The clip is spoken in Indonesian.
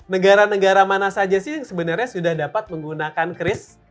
negara negara mana saja sih yang sebenarnya sudah dapat menggunakan kris